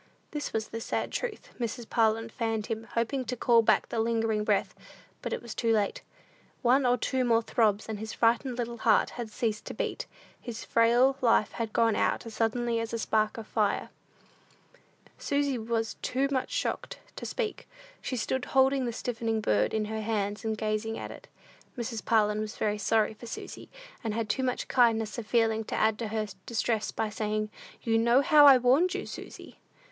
This was the sad truth. Mrs. Parlin fanned him, hoping to call back the lingering breath. But it was too late. One or two more throbs, and his frightened little heart had ceased to beat; his frail life had gone out as suddenly as a spark of fire. Susy was too much shocked to speak. She stood holding the stiffening bird in her hands, and gazing at it. Mrs. Parlin was very sorry for Susy, and had too much kindness of feeling to add to her distress by saying, "You know how I warned you, Susy."